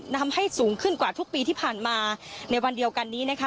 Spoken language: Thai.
นำให้สูงขึ้นกว่าทุกปีที่ผ่านมาในวันเดียวกันนี้นะคะ